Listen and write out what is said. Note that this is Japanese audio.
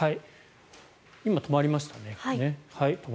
今、止まりましたね。